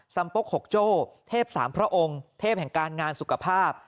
สำปกหกโจ้เทพสามพระองค์เทพแห่งการงานสุขภาพ